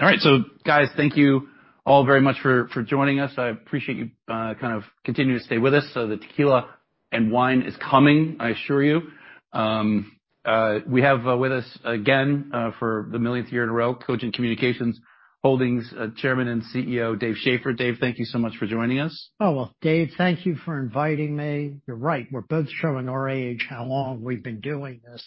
All right. Guys, thank you all very much for joining us. I appreciate you kind of continuing to stay with us. The tequila and wine is coming, I assure you. We have with us again, for the millionth year in a row, Cogent Communications Holdings Chairman and CEO, Dave Schaeffer. Dave, thank you so much for joining us. Oh, well, Dave, thank you for inviting me. You're right, we're both showing our age, how long we've been doing this,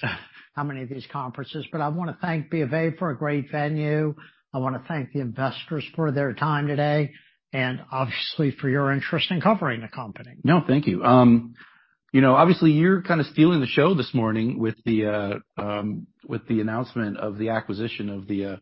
how many of these conferences. I wanna thank BofA for a great venue. I wanna thank the investors for their time today, and obviously, for your interest in covering the company. No, thank you. You know, obviously, you're kinda stealing the show this morning with the announcement of the acquisition of the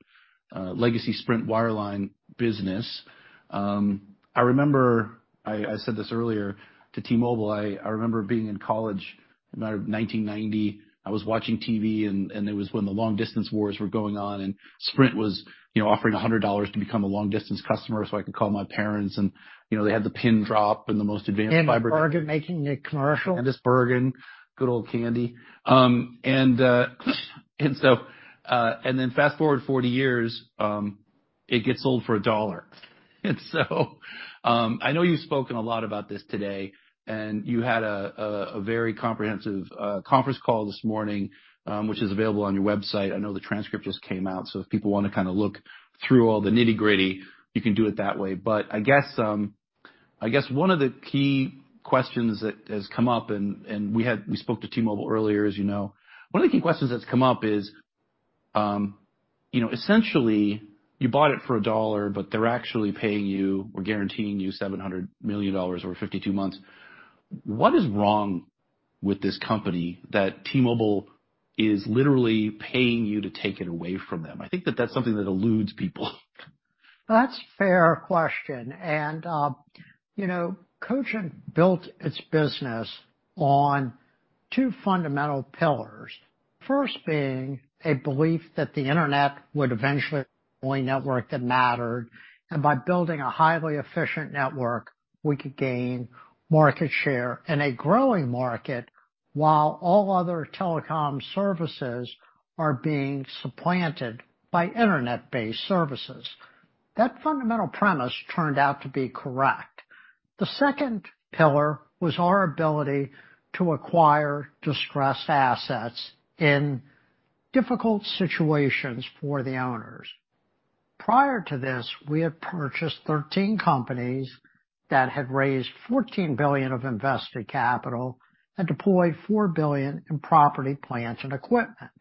legacy Sprint wireline business. I remember I said this earlier to T-Mobile. I remember being in college in 1990. I was watching TV, and it was when the long-distance wars were going on, and Sprint was, you know, offering $100 to become a long-distance customer, so I could call my parents. You know, they had the pin drop and the most advanced fiber- Candice Bergen making a commercial. Candice Bergen, good old Candy. Fast-forward 40 years, it gets sold for $1. I know you've spoken a lot about this today, and you had a very comprehensive conference call this morning, which is available on your website. I know the transcript just came out, so if people wanna kinda look through all the nitty-gritty, you can do it that way. I guess one of the key questions that has come up, we spoke to T-Mobile earlier, as you know. One of the key questions that's come up is, you know, essentially, you bought it for $1, but they're actually paying you or guaranteeing you $700 million over 52 months. What is wrong with this company that T-Mobile is literally paying you to take it away from them? I think that that's something that eludes people. That's a fair question. You know, Cogent built its business on two fundamental pillars. First being a belief that the Internet would eventually be the only network that mattered, and by building a highly efficient network, we could gain market share in a growing market while all other telecom services are being supplanted by Internet-based services. That fundamental premise turned out to be correct. The second pillar was our ability to acquire distressed assets in difficult situations for the owners. Prior to this, we had purchased 13 companies that had raised $14 billion of invested capital and deployed $4 billion in property, plant, and equipment.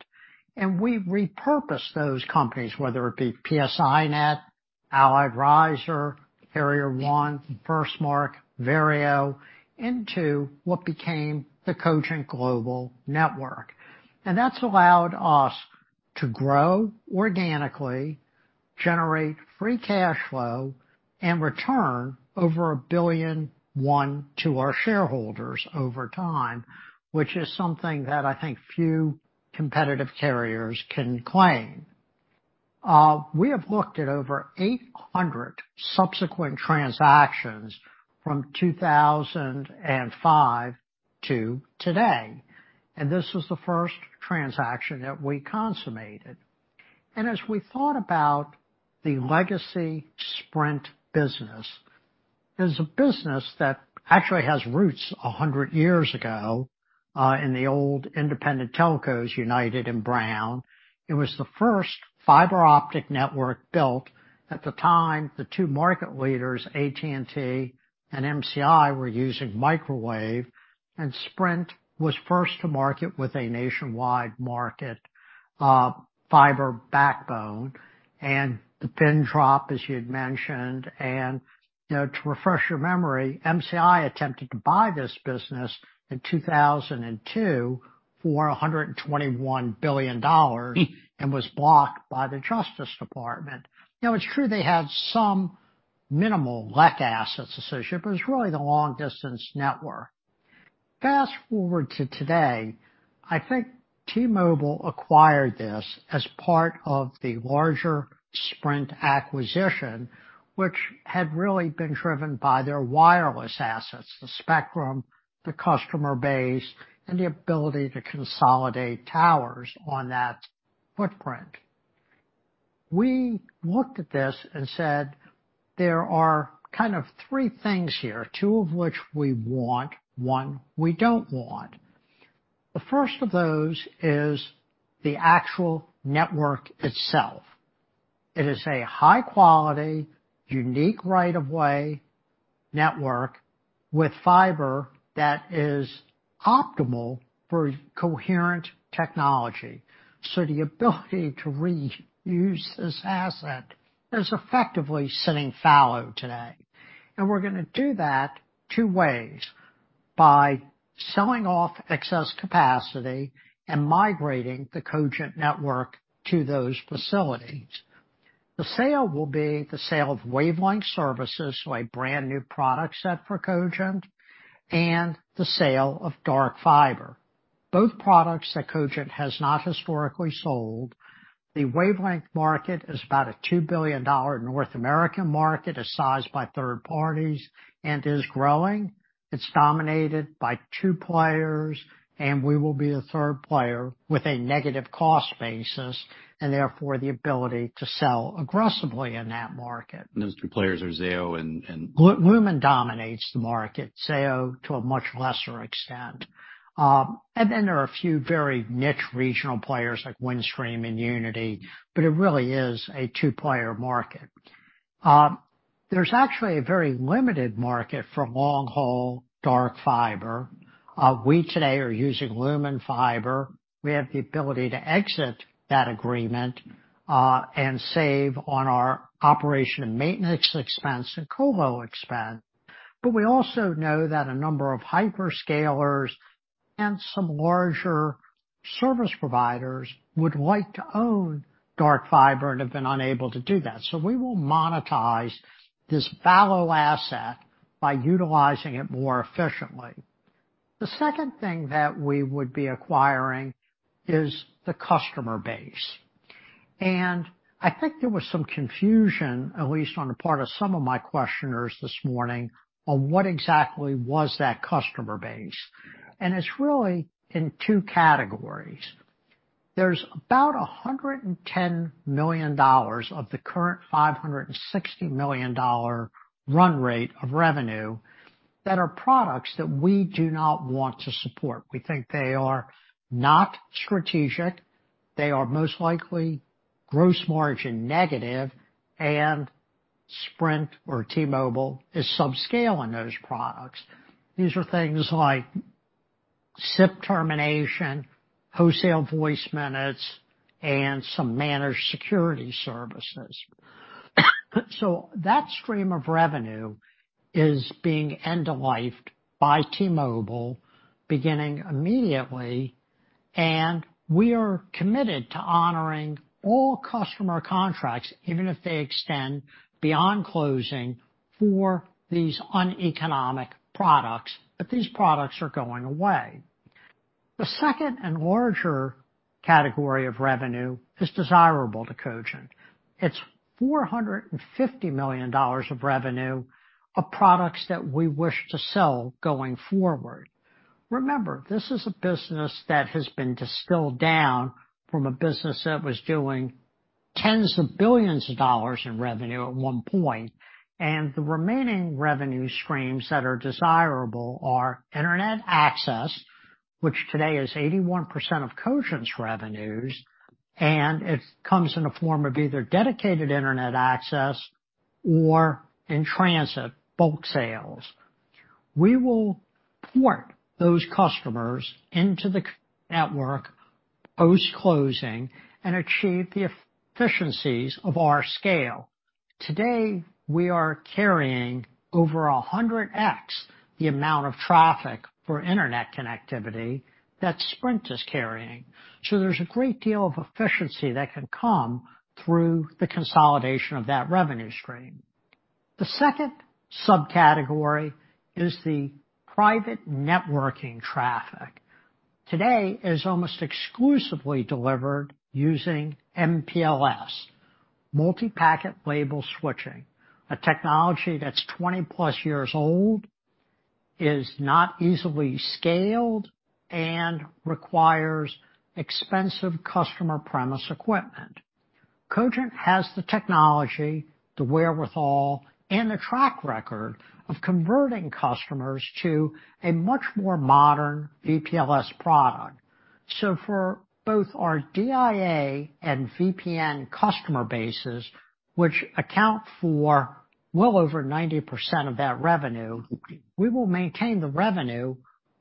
We repurposed those companies, whether it be PSINet, Allied Riser, Carrier1, FirstMark, Verio, into what became the Cogent Global Network. That's allowed us to grow organically, generate free cash flow, and return over $1.1 billion to our shareholders over time, which is something that I think few competitive carriers can claim. We have looked at over 800 subsequent transactions from 2005 to today, and this was the first transaction that we consummated. As we thought about the legacy Sprint business, it is a business that actually has roots 100 years ago, in the old independent telcos, United and Brown. It was the first fiber optic network built. At the time, the two market leaders, AT&T and MCI, were using microwave, and Sprint was first to market with a nationwide market, fiber backbone and the pin drop, as you'd mentioned. You know, to refresh your memory, MCI attempted to buy this business in 2002 for $121 billion and was blocked by the Justice Department. Now, it's true they had some minimal LEC assets associated, but it's really the long-distance network. Fast-forward to today, I think T-Mobile acquired this as part of the larger Sprint acquisition, which had really been driven by their wireless assets, the spectrum, the customer base, and the ability to consolidate towers on that footprint. We looked at this and said, "There are kind of three things here, two of which we want, one we don't want." The first of those is the actual network itself. It is a high-quality, unique right-of-way network with fiber that is optimal for coherent technology. The ability to reuse this asset is effectively sitting fallow today. We're gonna do that two ways, by selling off excess capacity and migrating the Cogent network to those facilities. The sale will be the sale of wavelength services, so a brand-new product set for Cogent, and the sale of dark fiber. Both products that Cogent has not historically sold. The wavelength market is about a $2 billion North American market as sized by third parties and is growing. It's dominated by two players, and we will be a third player with a negative cost basis and therefore the ability to sell aggressively in that market. Those two players are Zayo and Lumen dominates the market, Zayo to a much lesser extent. There are a few very niche regional players like Windstream and Uniti, but it really is a two-player market. There's actually a very limited market for long-haul dark fiber. We today are using Lumen fiber. We have the ability to exit that agreement and save on our operation and maintenance expense and co-lo expense. We also know that a number of hyperscalers and some larger service providers would like to own dark fiber and have been unable to do that. We will monetize this fallow asset by utilizing it more efficiently. The second thing that we would be acquiring is the customer base. I think there was some confusion, at least on the part of some of my questioners this morning, on what exactly was that customer base. It's really in two categories. There's about $110 million of the current $560 million run rate of revenue that are products that we do not want to support. We think they are not strategic. They are most likely gross margin negative, and Sprint or T-Mobile is subscale in those products. These are things like SIP termination, wholesale voice minutes, and some managed security services. That stream of revenue is being end-of-lifed by T-Mobile beginning immediately, and we are committed to honoring all customer contracts, even if they extend beyond closing for these uneconomic products, but these products are going away. The second and larger category of revenue is desirable to Cogent. It's $450 million of revenue of products that we wish to sell going forward. Remember, this is a business that has been distilled down from a business that was doing $10s of billions in revenue at one point, and the remaining revenue streams that are desirable are internet access, which today is 81% of Cogent's revenues, and it comes in a form of either dedicated internet access or in transit bulk sales. We will port those customers into the network post-closing and achieve the efficiencies of our scale. Today, we are carrying over 100x the amount of traffic for internet connectivity that Sprint is carrying. There's a great deal of efficiency that can come through the consolidation of that revenue stream. The second subcategory is the private networking traffic. Today, it is almost exclusively delivered using MPLS, multiprotocol label switching, a technology that's 20+ years old, is not easily scaled, and requires expensive customer premise equipment. Cogent has the technology, the wherewithal, and a track record of converting customers to a much more modern VPLS product. For both our DIA and VPN customer bases, which account for well over 90% of that revenue, we will maintain the revenue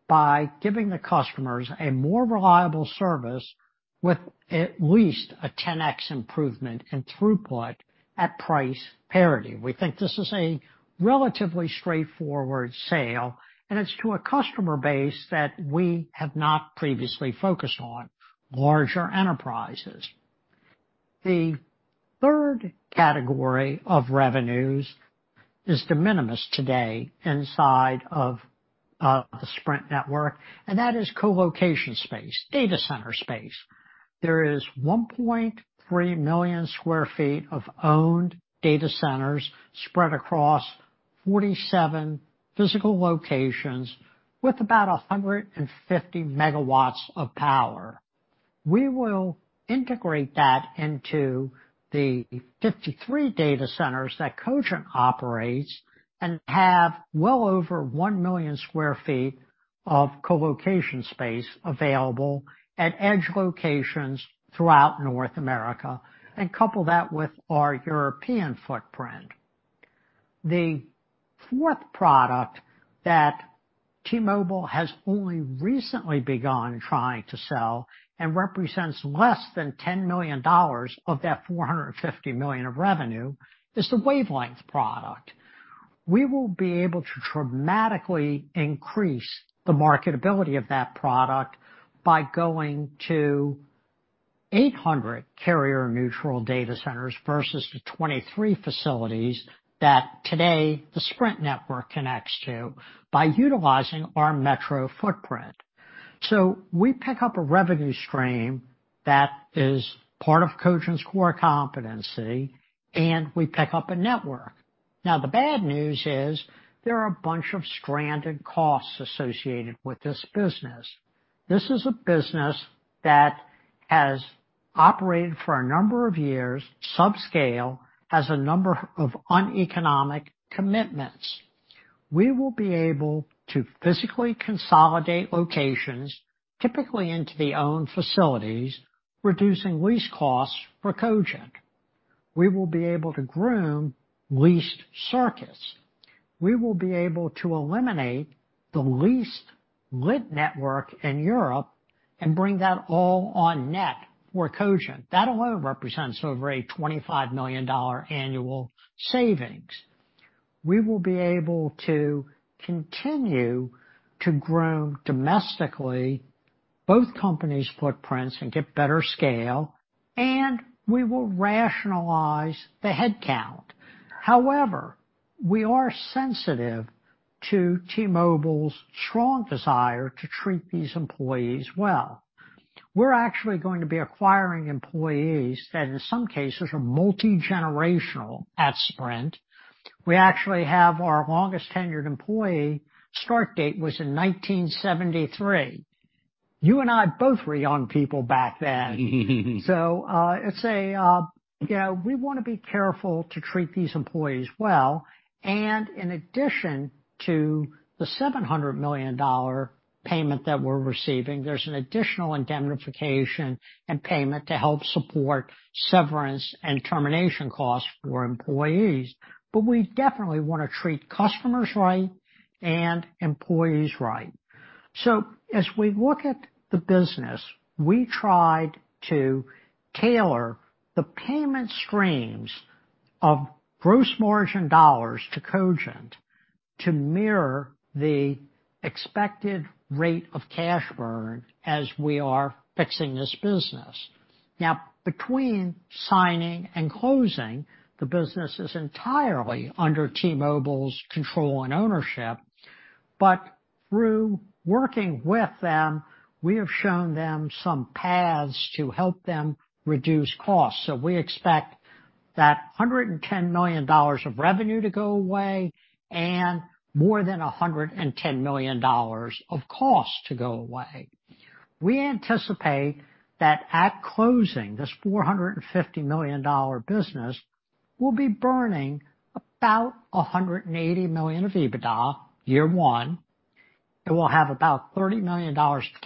by giving the customers a more reliable service with at least a 10x improvement in throughput at price parity. We think this is a relatively straightforward sale, and it's to a customer base that we have not previously focused on, larger enterprises. The third category of revenues is de minimis today inside of the Sprint network, and that is colocation space, data center space. There is 1.3 million sq ft of owned data centers spread across 47 physical locations with about 150 MW of power. We will integrate that into the 53 data centers that Cogent operates and have well over 1 million sq ft of colocation space available at edge locations throughout North America and couple that with our European footprint. The fourth product that T-Mobile has only recently begun trying to sell and represents less than $10 million of that $450 million of revenue is the wavelength product. We will be able to dramatically increase the marketability of that product by going to 800 carrier neutral data centers versus the 23 facilities that today the Sprint network connects to by utilizing our metro footprint. We pick up a revenue stream that is part of Cogent's core competency, and we pick up a network. Now, the bad news is there are a bunch of stranded costs associated with this business. This is a business that has operated for a number of years, sub-scale, has a number of uneconomic commitments. We will be able to physically consolidate locations, typically into our own facilities, reducing lease costs for Cogent. We will be able to groom leased circuits. We will be able to eliminate the leased lit network in Europe and bring that all on-net for Cogent. That alone represents over a $25 million annual savings. We will be able to continue to grow domestically, both companies' footprints, and get better scale, and we will rationalize the headcount. However, we are sensitive to T-Mobile's strong desire to treat these employees well. We're actually going to be acquiring employees that in some cases are multi-generational at Sprint. We actually have our longest-tenured employee start date was in 1973. You and I both were young people back then. You know, we wanna be careful to treat these employees well. In addition to the $700 million payment that we're receiving, there's an additional indemnification and payment to help support severance and termination costs for employees. We definitely wanna treat customers right and employees right. As we look at the business, we tried to tailor the payment streams of gross margin dollars to Cogent to mirror the expected rate of cash burn as we are fixing this business. Now, between signing and closing, the business is entirely under T-Mobile's control and ownership. Through working with them, we have shown them some paths to help them reduce costs. We expect that $110 million of revenue to go away and more than $110 million of cost to go away. We anticipate that at closing, this $450 million business will be burning about $180 million of EBITDA year one. It will have about $30 million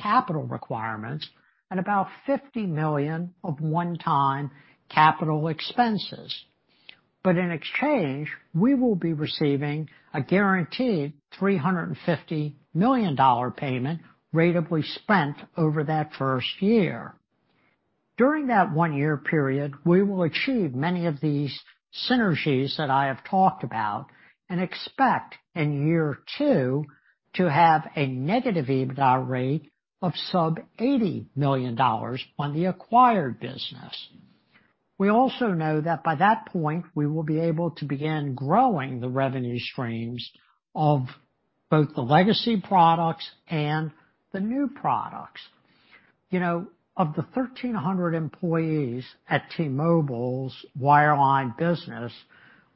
capital requirements and about $50 million of one-time capital expenses. In exchange, we will be receiving a guaranteed $350 million payment ratably spent over that first year. During that one-year period, we will achieve many of these synergies that I have talked about and expect in year two to have a negative EBITDA rate of sub $80 million on the acquired business. We also know that by that point, we will be able to begin growing the revenue streams of both the legacy products and the new products. You know, of the 1,300 employees at T-Mobile's wireline business,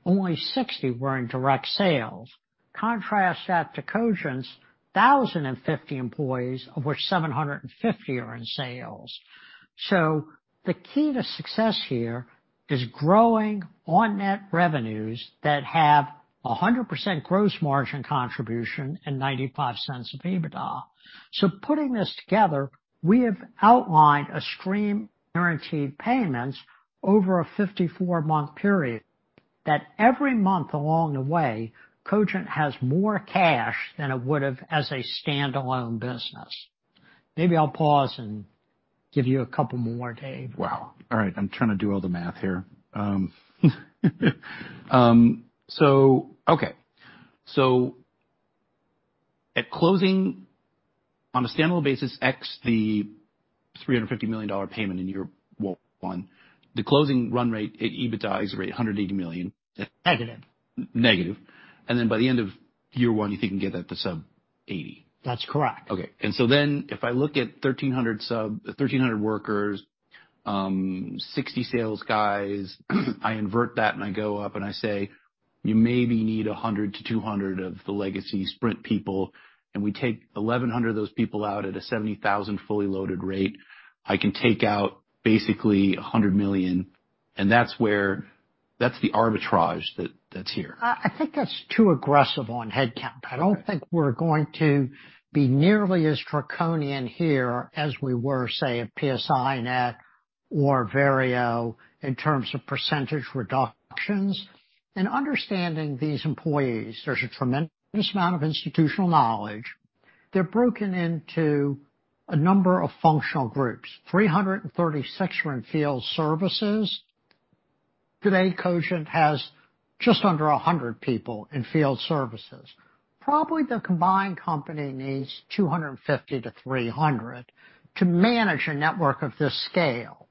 only 60 were in direct sales. Contrast that to Cogent's 1,050 employees, of which 750 are in sales. The key to success here is growing on net revenues that have a 100% gross margin contribution and 95% of EBITDA. Putting this together, we have outlined a stream of guaranteed payments over a 54-month period that every month along the way, Cogent has more cash than it would've as a standalone business. Maybe I'll pause and give you a couple more, Dave. Wow. All right. I'm trying to do all the math here. Okay. At closing, on a standalone basis, ex the $350 million payment in year one, the closing run rate at EBITDA is $180 million. Negative. Negative. By the end of year one, you think you can get that to sub 80 ? That's correct. Okay. If I look at 1,300 workers, 60 sales guys, I invert that and I go up and I say, "You maybe need 100-200 of the legacy Sprint people," and we take 1,100 of those people out at a $70,000 fully loaded rate, I can take out basically $100 million, and that's where that's the arbitrage that's here. I think that's too aggressive on headcount. I don't think we're going to be nearly as draconian here as we were, say, at PSINet or Verio in terms of percentage reductions. In understanding these employees, there's a tremendous amount of institutional knowledge. They're broken into a number of functional groups. 336 were in field services. Today, Cogent has just under 100 people in field services. Probably the combined company needs 250-300 to manage a network of this scale.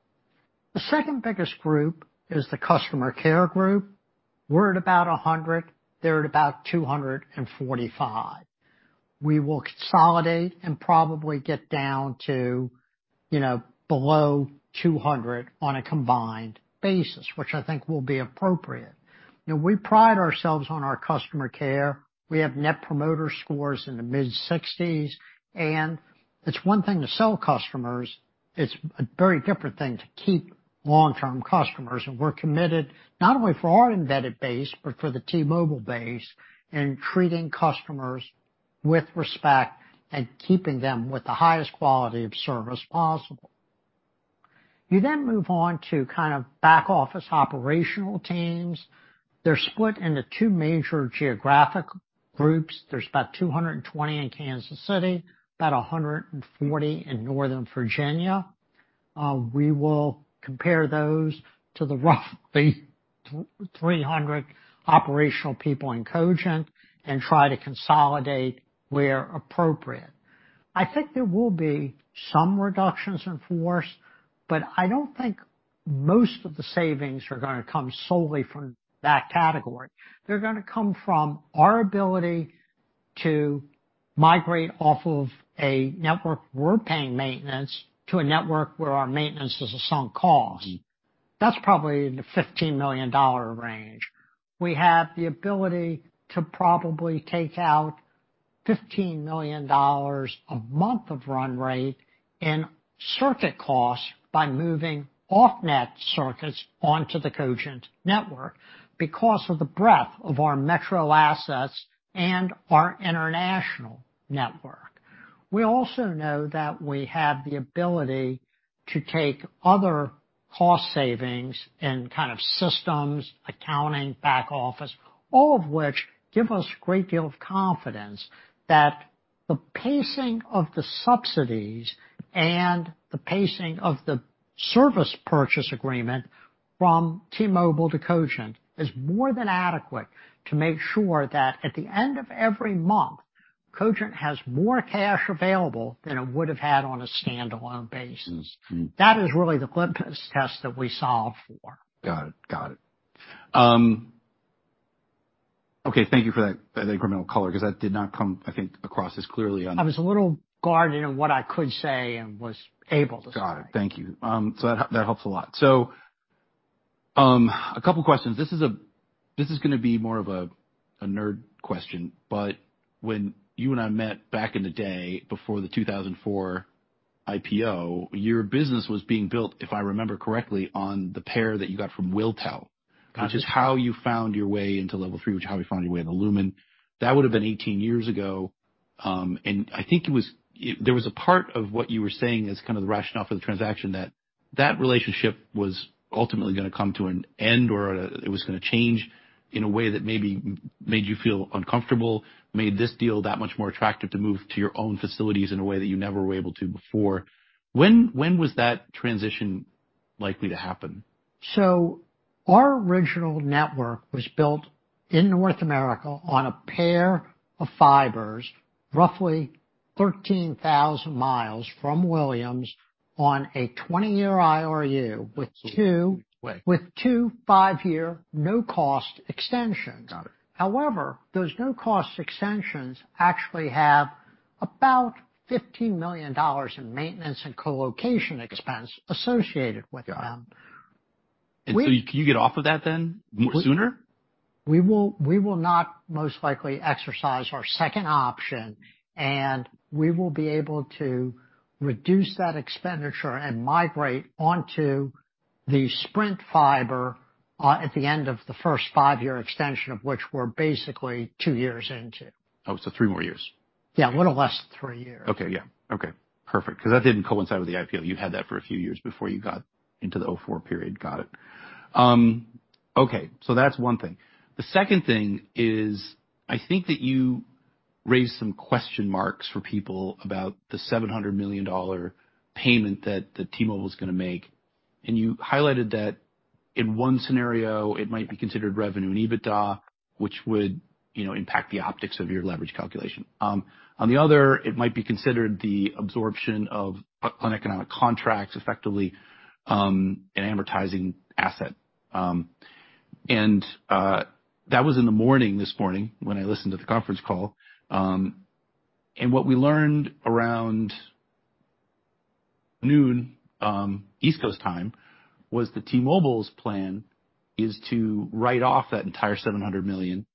The second biggest group is the customer care group. We're at about 100. They're at about 245. We will consolidate and probably get down to, you know, below 200 on a combined basis, which I think will be appropriate. You know, we pride ourselves on our customer care. We have Net Promoter Score in the mid-60s, and it's one thing to sell customers, it's a very different thing to keep long-term customers. We're committed not only for our embedded base but for the T-Mobile base in treating customers with respect and keeping them with the highest quality of service possible. You then move on to kind of back office operational teams. They're split into two major geographic groups. There's about 220 in Kansas City, about 140 in northern Virginia. We will compare those to the roughly 300 operational people in Cogent and try to consolidate where appropriate. I think there will be some reductions in force, but I don't think most of the savings are gonna come solely from that category. They're gonna come from our ability to migrate off of a network we're paying maintenance to a network where our maintenance is a sunk cost. That's probably in the $15 million range. We have the ability to probably take out $15 million a month of run rate and circuit costs by moving off-net circuits onto the Cogent network because of the breadth of our metro assets and our international network. We also know that we have the ability to take other cost savings in kind of systems, accounting, back office, all of which give us a great deal of confidence that the pacing of the subsidies and the pacing of the service purchase agreement from T-Mobile to Cogent is more than adequate to make sure that at the end of every month, Cogent has more cash available than it would've had on a standalone basis. Mm-hmm. That is really the Glimpse test that we solve for. Got it. Okay, thank you for that incremental color because that did not come, I think, across as clearly. I was a little guarded in what I could say and was able to say. Got it. Thank you. That helps a lot. A couple questions. This is gonna be more of a nerd question, but when you and I met back in the day before the 2004 IPO, your business was being built, if I remember correctly, on the pair that you got from WilTel. Got you. Which is how you found your way into Level 3, which is how we found your way into Lumen. That would have been 18 years ago. I think it was. There was a part of what you were saying as kind of the rationale for the transaction that that relationship was ultimately gonna come to an end or it was gonna change in a way that maybe made you feel uncomfortable, made this deal that much more attractive to move to your own facilities in a way that you never were able to before. When was that transition likely to happen? Our original network was built in North America on a pair of fibers, roughly 13,000 miles from Williams on a 20-year IRU with two five year, no-cost extensions. Got it. However, those no-cost extensions actually have about $15 million in maintenance and colocation expense associated with them. We- Can you get off of that then sooner? We will not most likely exercise our second option, and we will be able to reduce that expenditure and migrate onto the Sprint fiber at the end of the first five-year extension of which we're basically two years into. Oh, three more years. Yeah. A little less than three years. Okay. Yeah. Okay. Perfect. 'Cause that didn't coincide with the IPO. You had that for a few years before you got into the 2004 period. Got it. Okay, so that's one thing. The second thing is, I think that you raised some question marks for people about the $700 million payment that T-Mobile's gonna make. You highlighted that in one scenario, it might be considered revenue and EBITDA, which would, you know, impact the optics of your leverage calculation. On the other, it might be considered the absorption of uneconomic contracts, effectively, an amortizing asset. That was in the morning, this morning when I listened to the conference call. What we learned around noon, East Coast time, was that T-Mobile's plan is to write off that entire $700 million,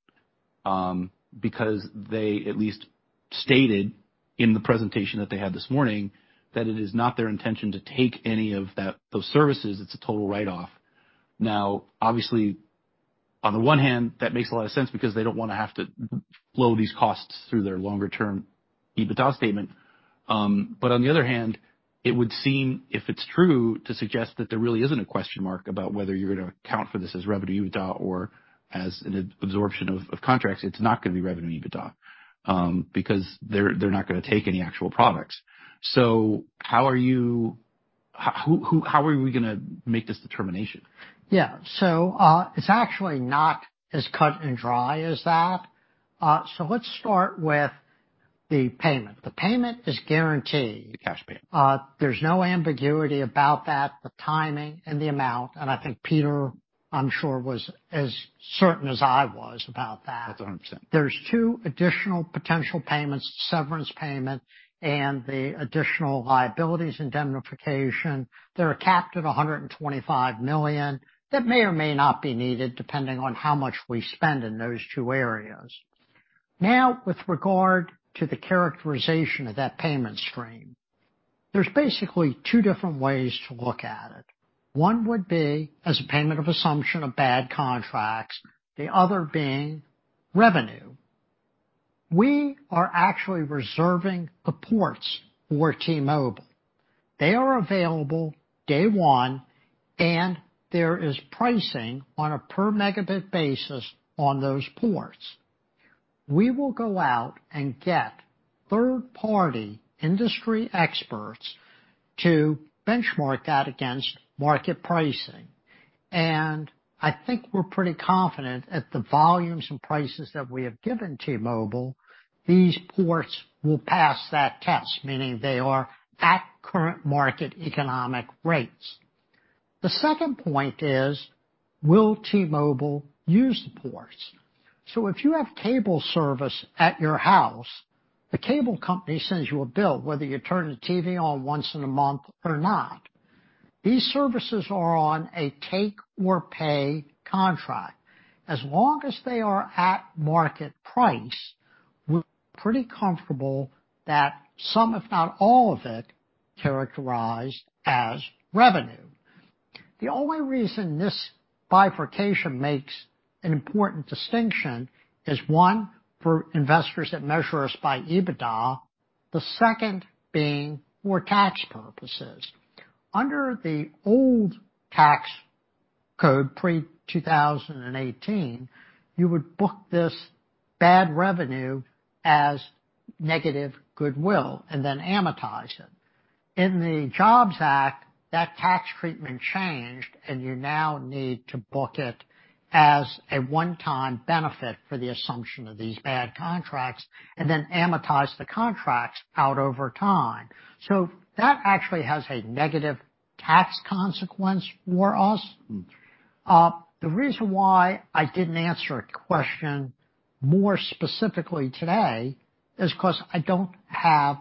because they at least stated in the presentation that they had this morning that it is not their intention to take any of those services. It's a total write-off. Now, obviously, on the one hand, that makes a lot of sense because they don't wanna have to flow these costs through their longer-term EBITDA statement. But on the other hand, it would seem, if it's true, to suggest that there really isn't a question mark about whether you're gonna account for this as revenue EBITDA or as an absorption of contracts. It's not gonna be revenue EBITDA, because they're not gonna take any actual products. How are we gonna make this determination? Yeah. It's actually not as cut and dried as that. Let's start with the payment. The payment is guaranteed. The cash payment. There's no ambiguity about that, the timing and the amount, and I think Peter, I'm sure, was as certain as I was about that. 100%. There are two additional potential payments, severance payment and the additional liabilities indemnification that are capped at $125 million, that may or may not be needed depending on how much we spend in those two areas. Now, with regard to the characterization of that payment stream, there are basically two different ways to look at it. One would be as a payment of assumption of bad contracts, the other being revenue. We are actually reserving the ports for T-Mobile. They are available day one, and there is pricing on a per megabit basis on those ports. We will go out and get third-party industry experts to benchmark that against market pricing. I think we're pretty confident at the volumes and prices that we have given T-Mobile, these ports will pass that test, meaning they are at current market economic rates. The second point is, will T-Mobile use the ports? If you have cable service at your house, the cable company sends you a bill, whether you turn the TV on once in a month or not. These services are on a take or pay contract. As long as they are at market price, we're pretty comfortable that some, if not all of it, characterized as revenue. The only reason this bifurcation makes an important distinction is, one, for investors that measure us by EBITDA, the second being for tax purposes. Under the old tax code, pre 2018, you would book this bad revenue as negative goodwill and then amortize it. In the Jobs Act, that tax treatment changed, and you now need to book it as a one-time benefit for the assumption of these bad contracts and then amortize the contracts out over time. That actually has a negative tax consequence for us. The reason why I didn't answer a question more specifically today is 'cause I don't have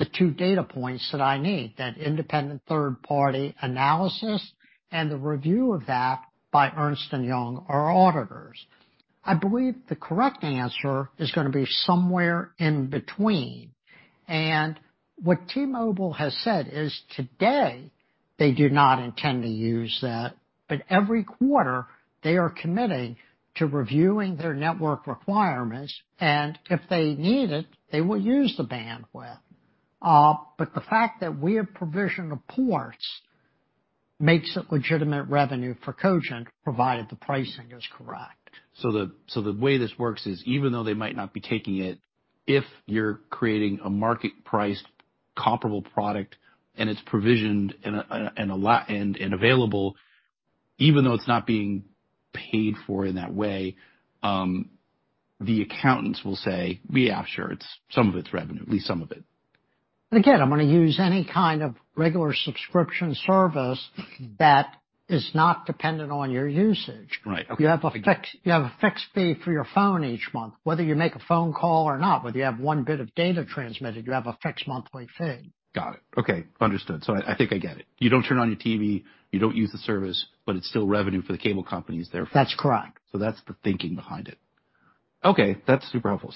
the two data points that I need, that independent third-party analysis and the review of that by Ernst & Young, our auditors. I believe the correct answer is gonna be somewhere in between. What T-Mobile has said is today they do not intend to use that, but every quarter they are committing to reviewing their network requirements, and if they need it, they will use the bandwidth. The fact that we have provisioned the ports makes it legitimate revenue for Cogent, provided the pricing is correct. The way this works is even though they might not be taking it, if you're creating a market price comparable product and it's provisioned and available, even though it's not being paid for in that way, the accountants will say, "Yeah, sure, it's some of it's revenue, at least some of it. Again, I'm gonna use any kind of regular subscription service that is not dependent on your usage. Right. Okay. You have a fixed fee for your phone each month, whether you make a phone call or not. Whether you have one bit of data transmitted, you have a fixed monthly fee. Got it. Okay. Understood. I think I get it. You don't turn on your TV, you don't use the service, but it's still revenue for the cable companies therefore. That's correct. That's the thinking behind it. Okay, that's super helpful.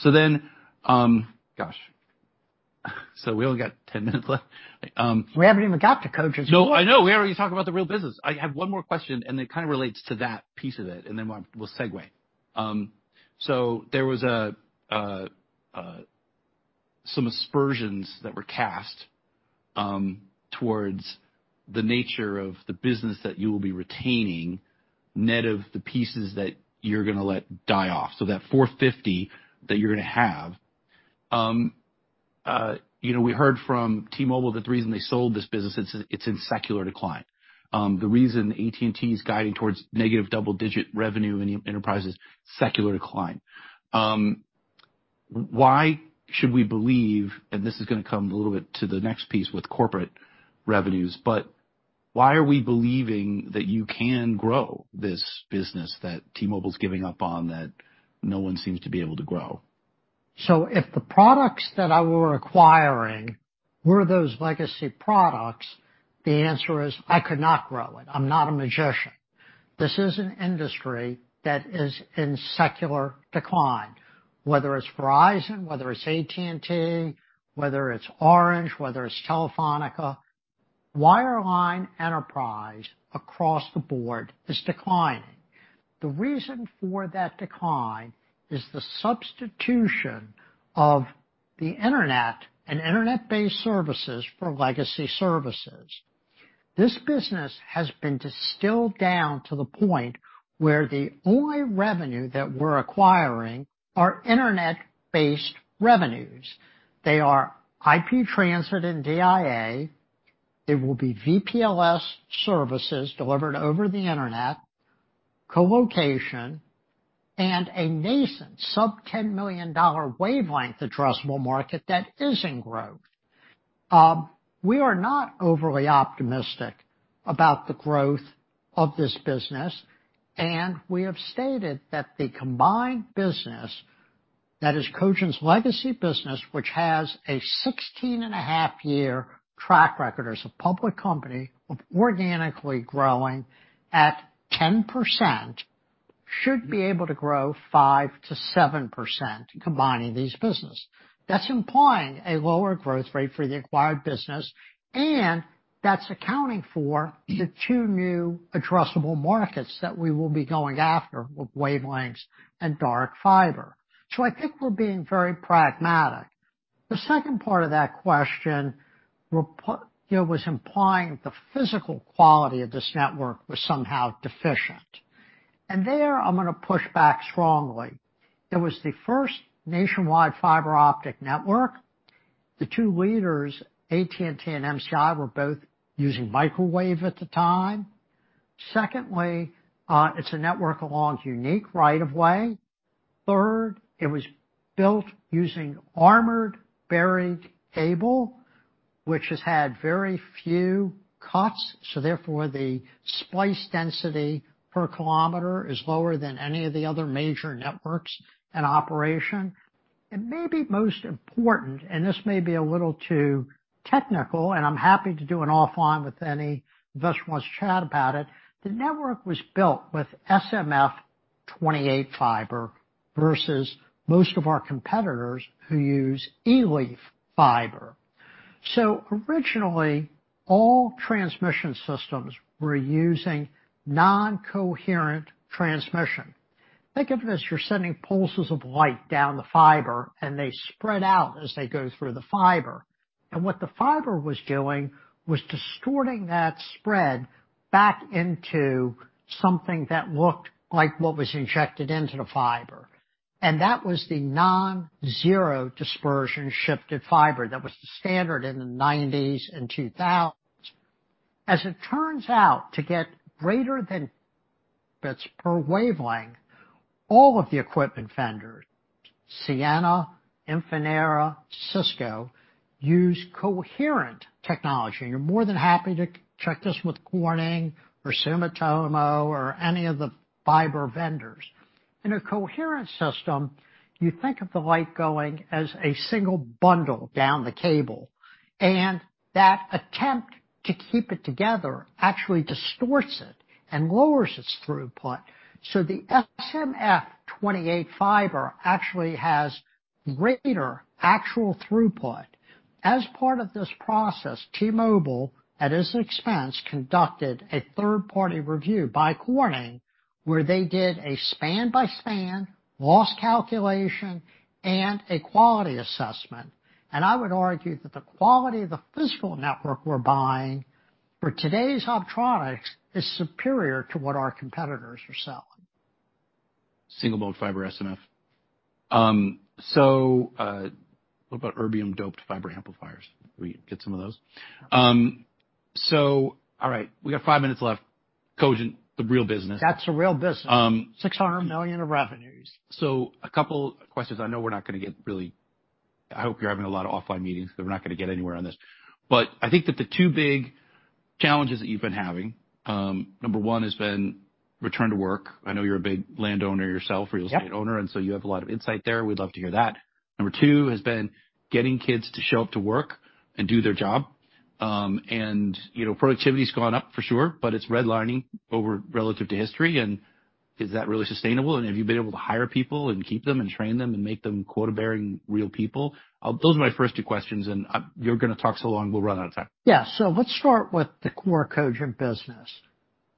Gosh. We only got 10 minutes left. We haven't even got to Cogent stock. No, I know. We haven't talked about the real business. I have one more question, and it kinda relates to that piece of it, and then we'll segue. There was some aspersions that were cast towards the nature of the business that you will be retaining net of the pieces that you're gonna let die off. That $450 that you're gonna have, you know, we heard from T-Mobile that the reason they sold this business, it's in secular decline. The reason AT&T is guiding towards negative double-digit revenue in the enterprise is secular decline. Why should we believe, and this is gonna come a little bit to the next piece with corporate revenues, but why are we believing that you can grow this business that T-Mobile's giving up on that no one seems to be able to grow? If the products that I were acquiring were those legacy products, the answer is I could not grow it. I'm not a magician. This is an industry that is in secular decline, whether it's Verizon, whether it's AT&T, whether it's Orange, whether it's Telefónica. Wireline enterprise across the board is declining. The reason for that decline is the substitution of the internet and internet-based services for legacy services. This business has been distilled down to the point where the only revenue that we're acquiring are internet-based revenues. They are IP transit and DIA. They will be VPLS services delivered over the internet. Colocation and a nascent sub-$10 million dollar wavelength addressable market that is in growth. We are not overly optimistic about the growth of this business, and we have stated that the combined business that is Cogent's legacy business, which has a 16.5-year track record as a public company, organically growing at 10%, should be able to grow 5%-7% combining these businesses. That's implying a lower growth rate for the acquired business, and that's accounting for the two new addressable markets that we will be going after with wavelengths and dark fiber. I think we're being very pragmatic. The second part of that question, you know, was implying the physical quality of this network was somehow deficient. There I'm going to push back strongly. It was the first nationwide fiber optic network. The two leaders, AT&T and MCI, were both using microwave at the time. Secondly, it's a network along unique right of way. Third, it was built using armored buried cable, which has had very few cuts, so therefore the splice density per kilometer is lower than any of the other major networks in operation. Maybe most important, and this may be a little too technical, and I'm happy to do an offline with any investor wants to chat about it. The network was built with SMF-28 fiber versus most of our competitors who use LEAF fiber. Originally all transmission systems were using non-coherent transmission. Think of it as you're sending pulses of light down the fiber and they spread out as they go through the fiber. What the fiber was doing was distorting that spread back into something that looked like what was injected into the fiber. That was the non-zero dispersion-shifted fiber. That was the standard in the 1990s and 2000s. As it turns out to get greater than bits per wavelength, all of the equipment vendors, Ciena, Infinera, Cisco, use coherent technology. You're more than happy to check this with Corning or Sumitomo or any of the fiber vendors. In a coherent system, you think of the light going as a single bundle down the cable, and that attempt to keep it together actually distorts it and lowers its throughput. So the SMF-28 fiber actually has greater actual throughput. As part of this process, T-Mobile, at its expense, conducted a third-party review by Corning, where they did a span by span loss calculation and a quality assessment. I would argue that the quality of the physical network we're buying for today's optronics is superior to what our competitors are selling. Single-mode fiber SMF. What about erbium-doped fiber amplifiers? We get some of those. All right, we got five minutes left. Cogent, the real business. That's the real business. Um. $600 million of revenues. A couple questions. I know we're not going to get. I hope you're having a lot of offline meetings, because we're not going to get anywhere on this. I think that the two big challenges that you've been having, number one has been return to work. I know you're a big landowner yourself. Yeah. Real estate owner, you have a lot of insight there. We'd love to hear that. Number two has been getting kids to show up to work and do their job. You know, productivity has gone up for sure, but it's redlining over relative to history. Is that really sustainable? Have you been able to hire people and keep them and train them and make them quota-bearing real people? Those are my first two questions, and you're going to talk so long, we'll run out of time. Yeah. Let's start with the core Cogent business.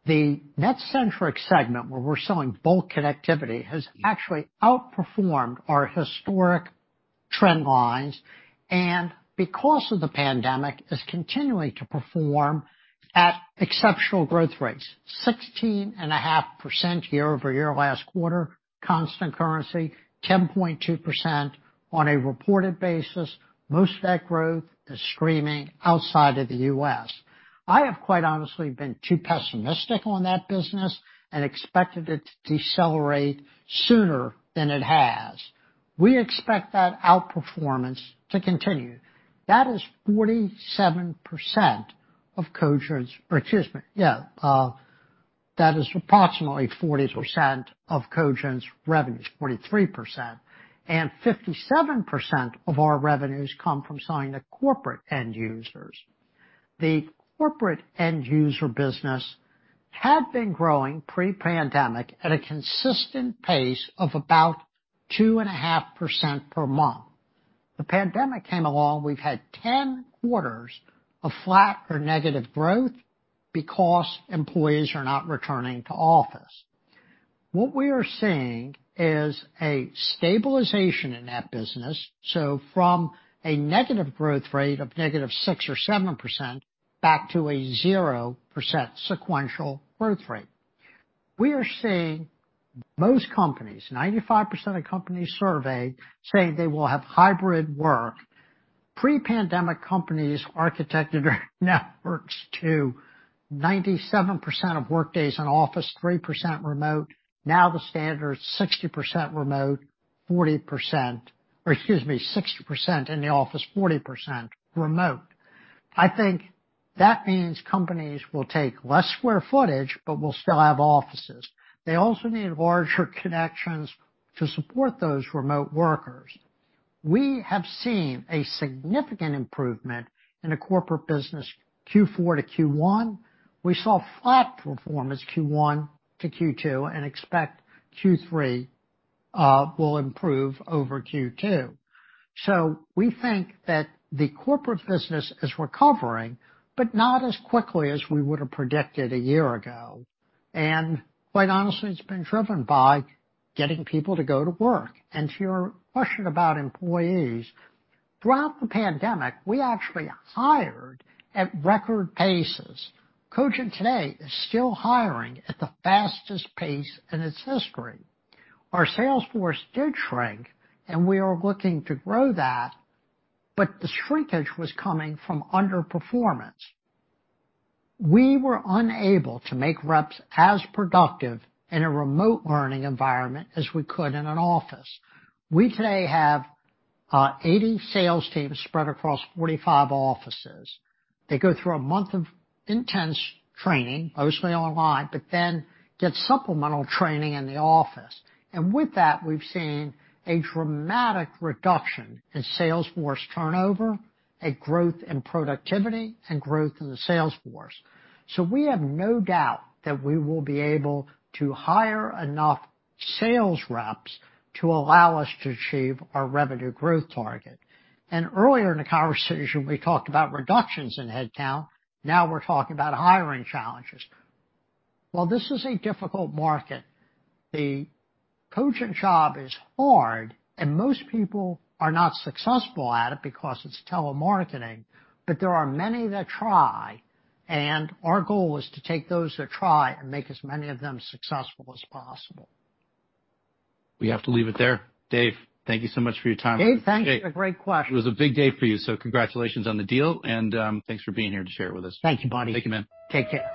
The NetCentric segment, where we're selling bulk connectivity, has actually outperformed our historic trend lines, and because of the pandemic, is continuing to perform at exceptional growth rates, 16.5% year-over-year, last quarter, constant currency, 10.2% on a reported basis. Most of that growth is streaming outside of the U.S. I have quite honestly been too pessimistic on that business and expected it to decelerate sooner than it has. We expect that outperformance to continue. That is approximately 40% of Cogent's revenues. 43% and 57% of our revenues come from selling to corporate end users. The corporate end user business had been growing pre-pandemic at a consistent pace of about 2.5% per month. The pandemic came along. We've had 10 quarters of flat or negative growth because employees are not returning to office. What we are seeing is a stabilization in that business. From a negative growth rate of negative 6% or 7% back to a 0% sequential growth rate. Most companies, 95% of companies surveyed say they will have hybrid work. Pre-pandemic companies architected their networks to 97% of work days in office, 3% remote. Now the standard's 60% remote, 40%. Excuse me, 60% in the office, 40% remote. I think that means companies will take less square footage, but will still have offices. They also need larger connections to support those remote workers. We have seen a significant improvement in the corporate business Q4-Q1. We saw flat performance Q1-Q2 and expect Q3 will improve over Q2. We think that the corporate business is recovering, but not as quickly as we would have predicted a year ago. Quite honestly, it's been driven by getting people to go to work. To your question about employees, throughout the pandemic, we actually hired at record paces. Cogent today is still hiring at the fastest pace in its history. Our sales force did shrink, and we are looking to grow that, but the shrinkage was coming from underperformance. We were unable to make reps as productive in a remote learning environment as we could in an office. We today have 80 sales teams spread across 45 offices. They go through a month of intense training, mostly online, but then get supplemental training in the office. With that, we've seen a dramatic reduction in sales force turnover, a growth in productivity, and growth in the sales force. We have no doubt that we will be able to hire enough sales reps to allow us to achieve our revenue growth target. Earlier in the conversation, we talked about reductions in headcount. Now we're talking about hiring challenges. Well, this is a difficult market. The Cogent job is hard, and most people are not successful at it because it's telemarketing, but there are many that try, and our goal is to take those that try and make as many of them successful as possible. We have to leave it there. Dave, thank you so much for your time. Dave, thanks for your great questions. It was a big day for you, so congratulations on the deal and, thanks for being here to share it with us. Thank you, buddy. Thank you, man. Take care.